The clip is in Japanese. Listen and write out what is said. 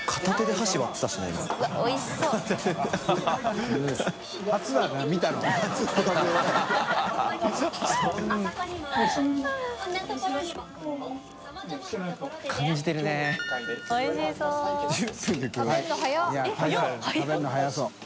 臂食べるの早そう。